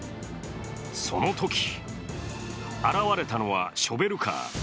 そのとき現れたのはショベルカー。